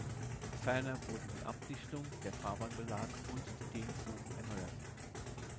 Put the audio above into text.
Ferner wurden die Abdichtung, der Fahrbahnbelag und die Dehnfugen erneuert.